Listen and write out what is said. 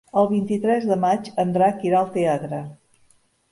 El vint-i-tres de maig en Drac irà al teatre.